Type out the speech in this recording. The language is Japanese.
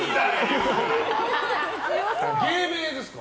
芸名ですか？